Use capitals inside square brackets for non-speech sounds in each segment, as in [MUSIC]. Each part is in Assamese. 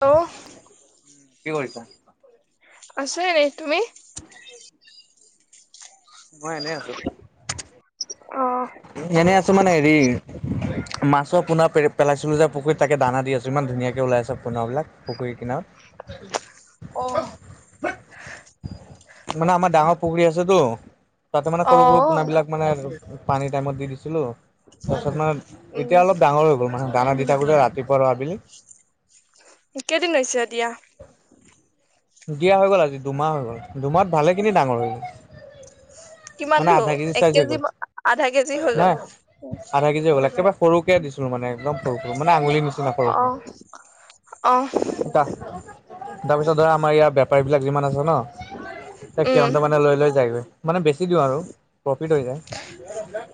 টো কি কৰিছা? আছো এনেই তুমি [INAUDIBLE] মই এনে আছো অ' এনে আছো মানে হেৰি মাছৰ পোনা পেৰ- পেলাইছিলো যে পুখুৰীত তাকে দানা দি আছো, ইমান ধুনীয়াকে ওলাইছে পোনা বিলাক। পুখুৰী কিনাৰত। অ', মানে আমাৰ ডাঙৰ পুখুৰী আছে তো। তাতে মানে সৰু সৰু পোনা অ' বিলাক মানে পানীৰ টাইমত দি দিছিলো। তাৰপাছত মানে উম এতিয়া অলপ ডাঙৰ হৈ গ'ল, মানে দানা দি থাকো যে ৰাতিপুৱা আৰু আবেলি। কেইদিন হৈছে দিয়া? দিয়া হৈ গ'ল আজি দুমাহ হৈ গ'ল, দুমাহ ভালেখিনি ডাঙৰ হৈ গ'ল। কিমান মানে দূৰ আধা কেজি এক চাইজ হৈ গ'ল, বা আধা কেজি হৈ গ'ল। নাই আধা কেজি হৈ গ'ল একেবাৰে সৰুকে দিছোঁ মানে একদম সৰু সৰু মানে আঙুলিৰ নিচিনা সৰু সৰু অ' অ' তা- তাৰপিছত ধৰা আমাৰ ইয়াৰ বেপাৰী বিলাক যিমান আছে ন, সেই উম সিহঁতে মানে লৈ লৈ যায় গৈ। মানে বেছি দিওঁ আৰু প্ৰফিট হৈ যায়।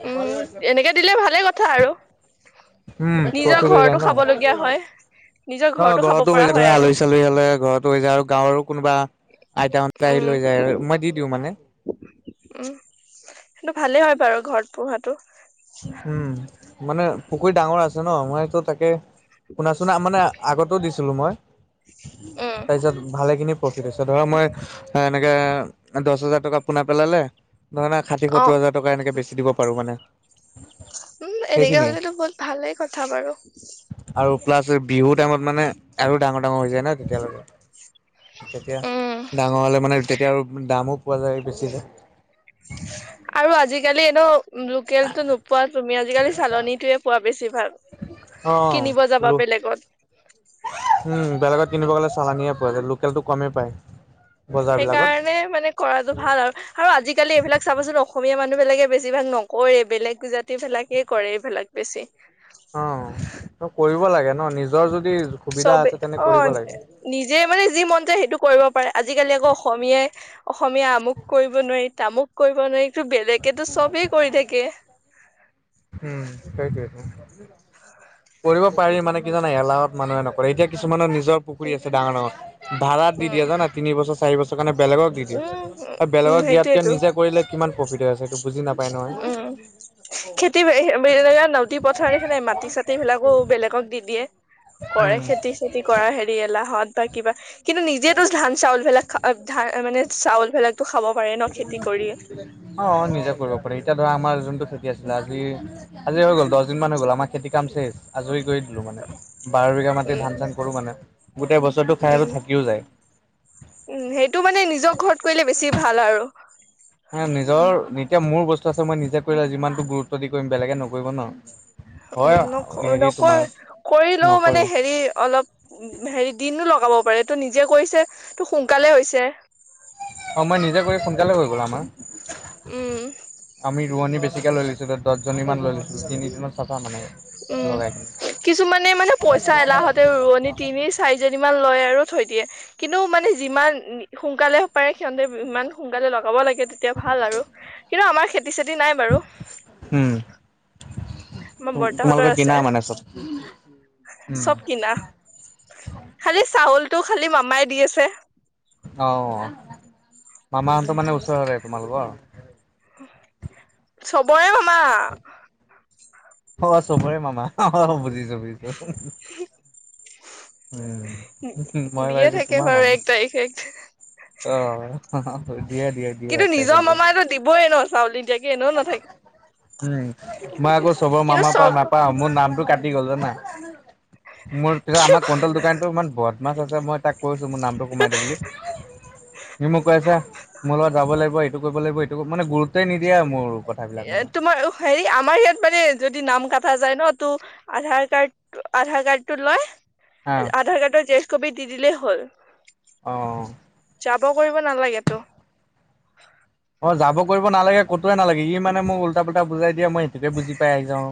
উম এনেকে দিলে ভালে কথা আৰু উম নিজৰ প্ৰফিট হৈ যায় ঘৰতো ন খাব লগীয়া হ'য়। অ', ঘৰতো হৈ যায় ধৰা আৰু আলহী-চালহী হলে ঘৰতো হৈ যায়, আৰু গাঁৱৰো কোনোবা আইতা হতে আহি উম লৈ যায় আৰু মই দি দিওঁ মানে। উম', সেইটো ভালে হয় বাৰু ঘৰত পোহাটো। উম', মানে পুখুৰী ডাঙৰ আছে ন' মইতো তাকে পোনা-চুনা মানে আগতো দিছিলো মই, উম তাৰপিছত ভালে খিনি প্ৰফিট হৈছে, ধৰা মই এনেকে দহ হাজাৰ টকা পোনা পেলালে। নহলে ষাঠি অ' সত্তৰ হাজ টকা এনেকে বেছি দিব পাৰো মানে। উম', এনেকে সেইখিনিয়ে হ'লেতো বহুত ভালেই কথা বাৰু। আৰু প্লাছ বিহু টাইমত মানে আৰু ডাঙৰ ডাঙৰ হৈ যায় ন' তেতিয়ালৈকে। তেতিয়া উম ডাঙৰ হলে মানে তেতিয়া আৰু দামো পোৱা যায় বেছিকে। আৰু আজিকালি এনে লোকেল টো নোপোৱা তুমি আজিকালি চালনিটোৱে পোৱা বেছি ভাগ অ কিনিব যাবা বেলেগত। উম, বেলেগত কিনিব গ'লে চালানিয়ে পোৱা যায় লোকেলটো কমেই পায়। বজাৰবিলাকত সেইকাৰণে মানে কৰাটো ভাল আৰু। আৰু আজিকালি এইবিলাক চাবচোন অসমীয়া মানুহ বিলাকে বেছিভাগ নকৰে, বেলেগ জাতি বিলাকেই কৰে এইবিলাক বেছি। [INAUDIBLE] কৰিব লাগে ন' নিজৰ যদি সুবিধা চবে আছে তেনে অ কৰিব লাগে। নিজে মানে যি মন যায় সেইটো কৰিব পাৰে, আজিকালি আকৌ অসমীয়াই অসমীয়া আমুক কৰিব নোৱাৰি, তামুক কৰিব নোৱাৰি বেলেগে টো চবেই কৰি থাকে। উম', সেইটোৱেটো। কৰিব পাৰি মানে কি জানা এলাহত মানুহে নকৰে, এতিয়া কিছুমানৰ নিজৰ পুখুৰী আছে ডাঙৰ ডাঙৰ ভড়া দি দিয়ে উম জনা তিন বছৰ চাৰি বছৰ কাৰণে বেলেগক দি দিয়ে, উম আৰু উম বেলেগক দিয়াতকে সেইটোয়েতো নিজে কৰিলে কিমান প্ৰফিট হৈ আছে সেইটো বুজি নাপাই নহয়। উম খেতি বিৰ- নদী পথাৰ সিহঁতে মাটি-চাটি বিলাকো বেলেগক দি দিয়ে। কৰে উম, খেতি-চেটি। কৰা হেৰি এলাহত বা কিবা কিন্তু নিজেইতো ধান চাউল বিলাক খা- ধান মানে চাউল বিলাক টো খাব পাৰে ন' খেতি কৰি। অ', নিজে কৰিব পাৰি এতিয়া ধৰা আমাৰ যোনটো খেতি আছিলে, আজি আজি হৈ গ'ল দহ দিন মান হৈ গ'ল আমাৰ খেতি কাম চেচ আজৰি কৰি দিলোঁ মানে। বাৰ বিঘা মাটি উম ধান চান কৰোঁ মানে, গোটেই বছৰটো খাই উম আৰু থাকিও যায়। উম', সেইটো মানে নিজৰ ঘৰত কৰিলে বেছি ভাল আৰু। নিজৰ এতিয়া মোৰ বস্তু আছে মই নিজে কৰিলে যিমানতটো গুৰুত্ব দি কৰিম বেলেগে নকৰিব ন'। হয় উম', নক- হেৰি তোমাৰ নকৰে কৰিলেও নকৰিব মানে হেৰি অলপ উম', হেৰি দিনটো লগাব পাৰে ত নিজে কৰিছে, তো সোনকালে হৈছে। অ', মই নিজে কৰি সোনকালে কৰি হৈ গ'ল আমাৰ। উম। আমি ৰোৱনী বেছিকে লৈ লৈছোঁ দহজনীমান লৈ লৈছোঁ তিনিদিনত চাফা মানে। উম, লগাই কিনে। কিছুমানে মানে পইচা এলাহতে ৰোৱনী তিনি চাৰিজনীমান লয় আৰু থৈ দিয়ে, কিন্তু মানে যিমান সোনকালে পাৰে সিহঁতে ইমান সোনকালে লগাব লাগে তেতিয়া ভাল আৰু কিন্তু আমাৰ খেতি-চেতি নাই বাৰু। উম, আমাৰ বৰ্তাহতৰ তোমালোকে আছে কিনা মানে চব? উম চব কিনা খালি চাউলতটো খালি মামাই দি আছে। অ' মামাহতৰ মানে ওচৰৰে তোমালোকৰ? চবৰে মামা। অ', চবৰে মামা অ', বুজিছোঁ বুজিছোঁ। [INAUDIBLE] উম, মই দিয়ে ভাবিছোঁ থাকে তোমাৰ মামা। [UNINTELLIGIBLE] অ', দিয়া দিয়া। কিন্তু নিজৰ মামাটো দিবই ন' চাউল নিদিয়াকে এনেও নাথাকে। উম, মই আকৌ চবৰ কিন্তু মামাৰ চ পৰা নাপাওঁ, মোৰ নামটো কাটি গ'ল জানা? মোৰ পিছত কিয় আমাৰ কনটল দোকানতো ইমান বদমাছ আছে মই তাক কৈছোঁ মোৰ নামটো সোমাই দে বুলি। তুমি মোক কৈ আছা, মোৰ লগত যাব লাগিব এইটো কৰিব লাগিব এইটো মানে গুৰুত্বে নিদিয়ে আৰু মোৰ কথাবিলাক মানে। তোমাৰ হেৰি আমাৰ ইয়াত মানে যদি নাম কটা যায় ন' টো আধাৰ কাৰ্ড আধাৰ কাৰ্ড টো হা লয়। আধাৰ কাৰ্ডৰ জেৰক্স কপি দি দিলেই হ'ল। অ'। যাব কৰিব নালাগেতো। অ', যাব কৰিব নালাগে কতোৱে নালাগে, ই মানে মোক উল্টা-পোল্টা বুজাই দিয়ে মই সেইটোকে বুজি পাই আহি যাও।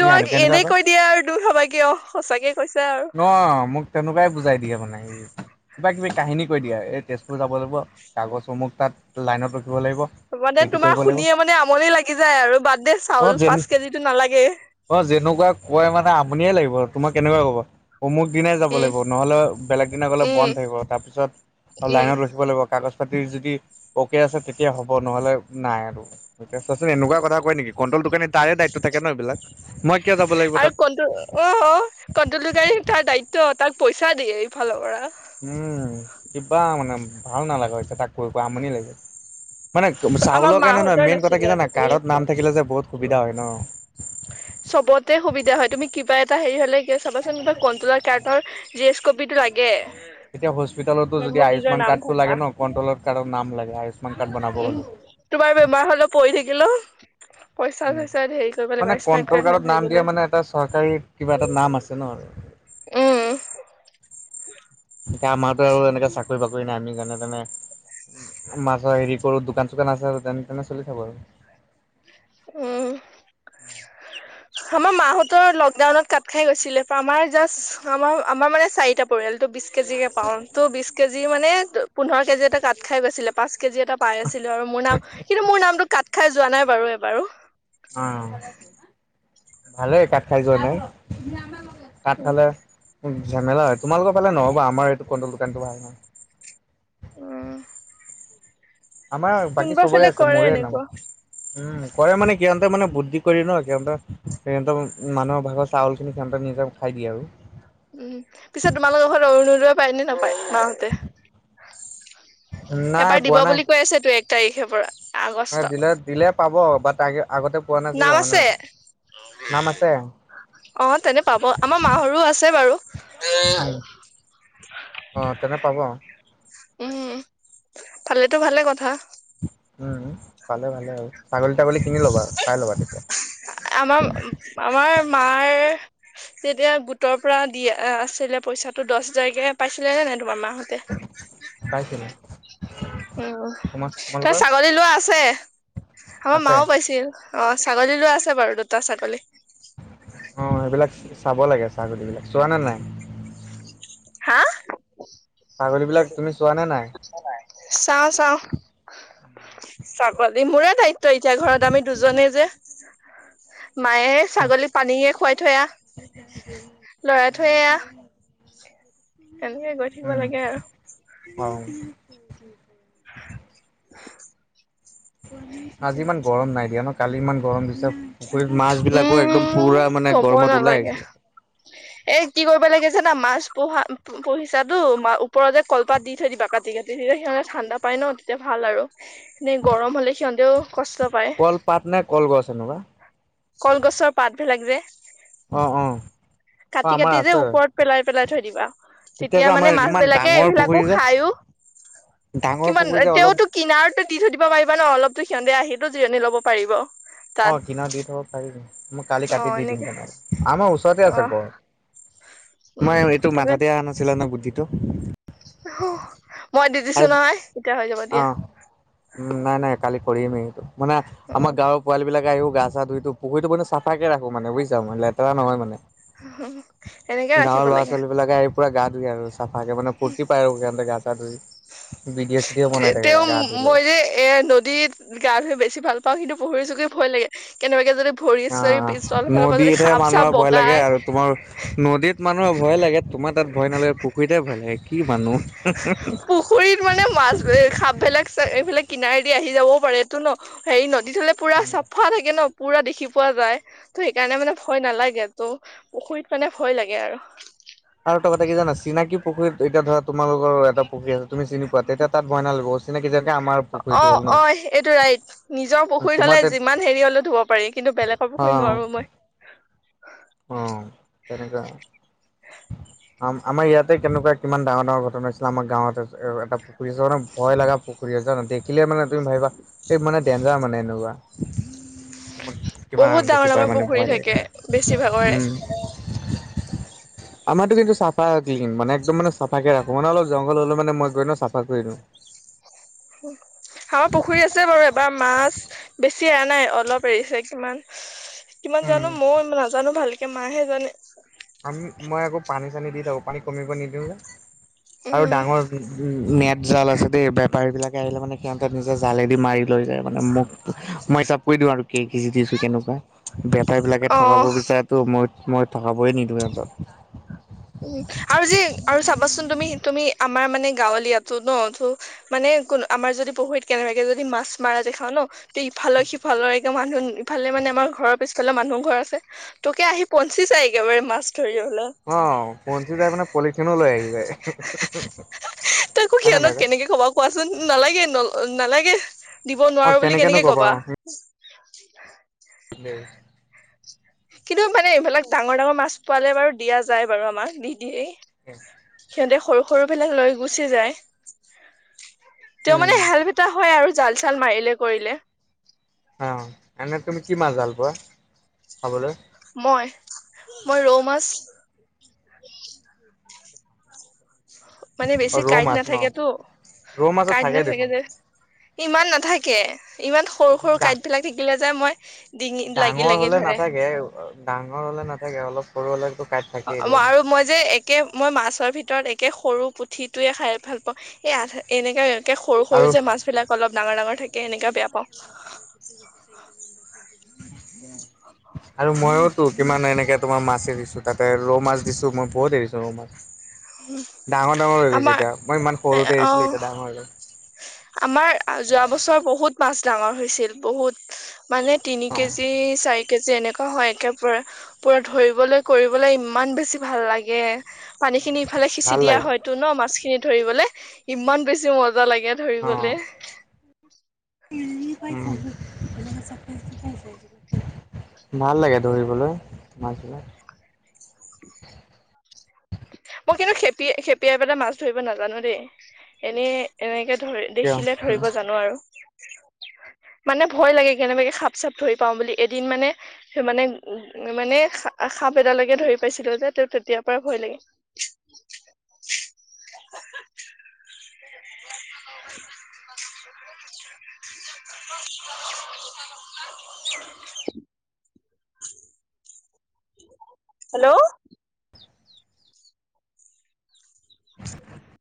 তোমাক এনে কৈ দিয়ে আৰু তুমি ভাবা কি অ', সঁচাকে কৈছে আৰু। অ', মোক তেনেকুৱাই বুজাই দিয়ে মানে। কিবা কিবি কাহিনী কৈ দিয়ে এই তেজপুৰ যাব লাগিব কাগজ অমুক তাত লাইনত ৰখিব লাগিব। মানে এইটো কৰিব তোমাৰ লাগিব শুনিয়ে মানে আমনি লাগি যায় আৰু বাদ দে অ চাউল যেন পাঁচ কেজিতো নালাগে। অ', যেনেকুৱা কয় মানে আমনিয়ে লাগিব তোমাক তেনেকুৱা ক'ব। অমুক দিনাই যাব উম লাগিব ন'হলে, বেলেগ দিনা গলে উম বন্ধ থাকিব তাৰপিছত আৰু উম লাইনত ৰখিব লাগিব কাগজ পাতি যদি অ'কে আছে তেতিয়া হ'ব নহলে নাই আৰু। এতিয়া চোৱাচোন এনেকুৱা কথা কই নেকি কণ্টলদোকানি তাৰে দায়িত্ব থাকে ন' এইবিলাক। মই কিয় যাব লাগিব আৰু তাত কন অ', কণ্টলদোকানি তাৰ দায়িত্ব তাক পইচা দিয়ে এইফালৰ পৰা। উম, কিবা মানে ভাল নালাগা হৈছে তাক কৈ কৈ আমনি লাগিছে। মানে আমাৰ চাউলৰ কাৰণে নহয় মাহঁতৰ মেইন কথা নাছিলে কি জানা কাড্‌ট নাম আগতে থাকিলে যে বহুত সুবিধা হয় ন'? চবতে সুবিধা হয়, তুমি কিবা এটা হেৰি হ'লে চাবাচোন কিবা কন্ট্ৰলৰ কাড্ৰৰ জি এছ কপিতো লাগে। এতিয়া হস্পিতলতো যদি মোৰ নিজৰ আয়ুসমান নাম কাৰ্ডটো থকা লাগে ন' কন্ট্ৰলৰ কাৰ্ডত নাম লাগে আয়ুস্মান কাৰ্ড বনাব উম, হ'লে। তোমাৰ বেমাৰ হলেও পৰি থাকিলেও। উম পইচা-চইচা হেৰি কৰিব লাগিব মানে আয়ুষ্মান কণ্ট্ৰল কাৰ্ড কাৰ্ডত নাম দিয়া নাথাকিলে। মানে এটা চৰকাৰী কিবা এটা নাম আছে ন। উম। এতিয়া আমাৰতো আৰু এনেকে চাকৰি-বাকৰি নাই আমি যেনে তেনে মাছৰ হেৰি কৰোঁ দোকান চোকান আছে আৰু যেনে তেনে চলি থাকো আৰু। উম। [INAUDIBLE] আমাৰ মাহতৰ লকডাউনত কাত খাই গৈছিলে, আমাৰ জাষ্ট আমাৰ আমাৰ মানে চাৰিটা পৰিয়ালতটো বিশ কেজি কে পাওঁ তো বিশ কেজি মানে পোন্ধৰ কেজি এটা কাঠ খাই গৈছিলে। পাঁচ কেজি এটা পাই আছিলোঁ আৰু মোৰ নাম কিন্তু মোৰ নামটো কাত খাই যোৱা নাই বাৰু এবাৰু। অ', ভালেই কাত খাই যোৱা নাই। কাত খালে ঝামেলা হয়, তোমালোকৰ ফালে নহ'ব আমাৰ এইটো কন্ট্ৰল দোকানটো ভাল নহয়। উম। আমাৰ বাকী কোনোবা চবৰে ফালে আছে কৰে মোৰে নাম। এনেকুৱা উম, কৰে মানে সিহঁতে মানে বুদ্ধি কৰি ন' সিহঁতে সিহঁতৰ মানুহৰ ভাগৰ চাউল খিনি সিহঁতে নিজে খাই দিয়ে আৰু। উম, পিছত তোমালোকৰ ঘৰত অৰুণোদই পায় নে নাপায় মাহঁতে? নাই এবাৰ দিব পোৱা নাই বুলি কৈ আছে তো এক তাৰিখে পৰা। আগষ্ট দিলে দিলে পাব বাট আগতে পোৱা নাছিলে নাম মানে আছে? নাম আছে অ', তেনে পাব আমাৰ মাহৰু আছে বাৰু। অঁ', তেনে পাব। উম, পালেতো ভালে কথা। উম, পালে ভালে আৰু ছাগলী-তাগলী কিনি ল'বা চাই ল'বা তেতিয়া। আমাৰ আমাৰ মাৰ যেতিয়া গোটৰ পৰা দিয়া আছিলে পইচাটো দহ হোজাৰকে পাইছিলে নে নাই তোমাৰ মাহ তে? পাইছিলে অ' তোমাৰ তই তোমালোকৰ ছাগলী লোৱা আছে। আমাৰ আছে মাও পাইছিল অ' ছাগলী লৈ আছে বাৰু দুটা ছাগলী। অ' সেইবিলাক চাব লাগে ছাগলী বিলাক, চোৱা নে নাই? হা'। ছাগলীবিলাক তুমি চোৱা নে নাই? চাওঁ, চাওঁ। ছাগলী মোৰে দায়িত্ব এতিয়া, ঘৰত আমি দুজনে যে। মায়ে এই ছাগলী পানীয়ে খুৱাই থৈ আহ লৰাই থৈ আহ তেনেকে গৈ থাকিব উম লাগে আৰু। অ'। আজি ইমান গৰম নাই দিয়া ন, কালি ইমান গৰম দিছে। পুখুৰীত মাছ বিলাকো একদম উম পুৰা মানে কব গৰমত ওলাই নালাগে আহিছে। এ কি কৰিব লাগে জানা, মাছ পোহা পুহিছা ওপৰতে যে কলপাত দি থৈ দিবা কাটি কাটি, তেতিয়া সিহ'তে ঠাণ্ডা পাই ন তেতিয়া ভাল আৰু। এনে গৰম হ'লে সিহ'তেও কষ্ট পায় কল পাত নে কলগছ এনেকুৱা? কলগছৰ পাতবিলাক যে। অঁ, অঁ। কাটি কাটি যে ওপৰত পেলাই পেলাই থৈ দিবা। এতিয়া তেতিয়া যে মানে আমাৰ ইমান মাছবিলাকে ডাঙৰ এইবিলাকো পুখুৰী যে খাইয়ো ডাঙৰ পুকুৰী যে অলপ কিনাৰততো দি থৈ দিব পাৰিবা ন, অলপতো সিহ'তে আহি জিৰণি ল'ব পাৰিব। তাত অ' কিনাৰত দি থব পাৰিম, মই কালি অ কাটি দি দিম এনেকে তেনে আমাৰ ওচৰতে অ আছে গছ। উম মই এইটো তেনে মাথাতে অহা নাছিলা নহয় বুদ্ধিটো। মই দি দিছো আৰু নহয় এতিয়া হৈ যাব অ দিয়া। উম, নাই নাই কালি কৰিমেই এইটো মানে আমাৰ গাঁৱৰ পোৱাল বিলাক আহিব গা ছা ধুইটো, পুখুৰীতো মানে চফাকে ৰাখো মানে বুজিছা মানে লেতেৰা নহয়া মানে। এনেকে গাঁৱৰ ৰাখিব ল'ৰা লাগে ছোৱালী বিলাকে আহি পুৰা গা ধুই আৰু চাফাকে মানে ফূুৰ্তি পায় আৰু সিহ'তে গা চা ধুই, ভিডি তেওঁ মই যে এই নদীত গা ধুই বেছি ভাল পাওঁ, কিন্তু পুখুৰীয়ে চুখুৰীয়ে ভয় লাগে। কেনেবাকে যদি ভৰি চৰি অ' পিছল, ইফালৰ পৰা যদি নদীতহে সাপ চাপ মানুহৰ ভয় লাগে বগাই আৰু তোমাৰ নদীত মানুহৰ ভয় লাগে তোমাৰ তাত ভয় নালাগে পুখুৰীতে ভয় লাগে কি মানুহ। পুখুৰীত মানে মাছ সাপবিলাক এইফালে কিনাৰে দি আহি যাবওঁ পাৰে ন হেৰি নদীত হ'লে পুৰা চাফা থাকে ন। পুৰা দেখি পোৱা যায়, ত' সেইকাৰণে মানে ভয় নালাগে। ত' পুখুৰীত মানে ভয় লাগে আৰু। আৰু এটা কথা কি জানা চিনাকি পুুখুৰীত, এতিয়া ধৰা তোমালোকৰ এটা পুখী আছে তুমি চিনি পোৱা, তেতিয়া তাত ভয় নালাগিব অচিনকি জেগা আমাৰ পুখুৰীতটো হ'ল ন। পুখুৰী তোমাৰ হ'লে তাত যিমান হেৰি হ'লে ধুব পাৰি, কিন্তু বেলেগৰ পুখুৰীত নোৱাৰো মই। অঁ তেনেকা। আম আমাৰ ইয়াতে কেনেকুৱা কিমান ডাঙৰ ডাঙৰ ঘটনা আছিলে আমাৰ গাঁৱত এটা পুখুৰী মানে ভয় লগা পুখুৰী জানা দেখিলে মানে তুমি ভাবিবা সেই মানে যা মানে এনেকুৱা। কিবা বহুত ডাঙৰ দেখি ডাঙৰ পাই মানে পুখুৰী ভয় থাকে লাগে। বেছি উম হয় [UNINTELLIGIBLE] আমাৰতো কিন্ত চাফা ক্লীন মানে একদম মানে চাফাকে ৰাখো মানে অলপ জংঘল হ'লে মানে মই গৈ ন চাফা কৰি দিওঁ। উ আমাৰ পুখুৰী আছে বাৰু বাৰ মাছ বেছি এৰা নাই অলপ এৰিছে, কিমান কিমান উম জানো ময়ও নাজানো ভালকে মাইহে জানে। আমি মই আকৌ পানী চানী দি থাকো, পানী কমিব নিদিওঁ যে, আৰু উম ডাঙৰ উম মেট জাল আছে দেই বেপাৰী বিলাকে আহিলে মানে সিহঁতৰ নিজে জালেদি মাৰি লৈ যায় মানে মোক মই হিচাপ কৰি দিওঁ আৰু কি কেজি দিছোঁ কেনেকুৱা। বেপাৰী বিলাকে অ ঠগাব বিচাৰেতো মই, মই ঠগাবই নিদিওঁ সিহঁতক। উম আৰু যে আৰু চাবাচোন তুমি, তুমি আমাৰ মানে গাঁৱলীয়াতো নহ। [UNINTELLIGIBLE] মানে কোন আমাৰ যদি পুখুৰীত কেনেবাকে যদি মাছ মাৰা দেখাও নহ। তে ইফালৰ সিফালৰে মানুহ ইফালে মানে আমাৰ ঘৰৰ পিছফালে মানুহ এঘৰ আছে। তোকে আহি পৌচি যায়গে একেবাৰে মাছ ধৰিবলে। অ পঞ্চি যাই মানে পলিথিনো লৈ আহি যায় তাকো হয়নে সিহঁতক নাই। কেনেকে কবা কোৱাচোন নালাগে ন-নালাগে দিব অ নোৱাৰো বুলি কেনেকেনো কেনেকে ক'ব অ কবা। [UNINTELLIGIBLE] [UNINTELLIGIBLE] কিন্তু মানে এইবিলাক ডাঙৰ, ডাঙৰ মাছ পোৱালে বাৰু দিয়া যায় বাৰু আমাক দি দিয়ে। সিহঁতে সৰু, সৰু বিলাক লৈ গুচি যায়। তেওঁ উম মানে [UNINTELLIGIBLE] হয় আৰু জাল চাল মাৰিলে কৰিলে। অ এনে তুমি কি মাছ ভাল পোৱা খাবলৈ? মই, মই ৰৌ মাছ। [INAUDIBLE] মানে অ বেছি ৰৌ কাঁইট মাছ ন নাথাকেটো ৰৌ মাছত কাঁইট থাকে নাথাকে দেখোন যে। ইমান নাথাকে ইমান সৰু, সৰু ডা কাঁইট বিলাক থাকিলে যে মই। ডিঙিত লাগি ডাঙৰ লাগি হ'লে ধৰে। নাথাকে ডাঙৰ হ'লে নাথাকে অলপ সৰু হ'লেটো কাঁইট থাক অ মই আৰু মই। যে একে মই মাছৰ ভিতৰত একে সৰু পুঠিটোয়ে খাই ভাল পাওঁ এই আধা এনেকা। কে সৰু, সৰু আৰু যে মাছ বিলাক অলপ ডাঙৰ, ডাঙৰ থাকে এনেকা বেয়া পাওঁ। [INAUDIBLE] [INAUDIBLE] আৰু মইওতো কিমান এনেকে তোমাৰ মাছ এৰিছোঁ তাতে ৰৌ মাছ দিছোঁ মই বহুত এৰিছোঁ। ডাঙৰ, ডাঙৰ হৈ গৈছে আমাৰ এতিয়া মই ইমান সৰুতে অ এৰিছিলোঁ এতিয়া ডাঙৰ হৈ গ'ল। আমাৰ যোৱা বছৰ বহুত মাছ ডাঙৰ হৈছিল বহুত। মানে তিনি অ কেজি চাৰি কেজি এনেকুৱা হয় একেবাৰে। পুৰা ধৰিবলৈ কৰিবলৈ ইমান বেছি ভাল লাগে পানী খিনি। ইফালে সিঁচি ভাল দিয়া লাগে হয়তো নহ মাছখিনি ধৰিবলে ইমান বেছি মজা লাগে অ। ধৰিবলে। [UNINTELLIGIBLE] ভাল লাগে ধৰিবলৈ মাছবিলাক। মই কিন্তু খেপিয়া-খেপিয়াই পেলাই মাছ ধৰিব নাজানোঁ দেই এনে। এনেকে ধৰি দেখিলে কিয়? ধৰিব জানোঁ আৰু। [INAUDIBLE] মানে ভয় লাগে কেনেবাকে সাপ চাপ ধৰি পাওঁ বুলি এদিন মানে। [UNINTELLIGIBLE] মানে, মানে সাপ এডালকে ধৰি পাইছিলো যে ত' তেতিয়াৰ পৰা ভয় লাগে। [INAUDIBLE] [UNINTELLIGIBLE] [INAUDIBLE] [UNINTELLIGIBLE] [INAUDIBLE] [UNINTELLIGIBLE] হেল্ল'। [INAUDIBLE]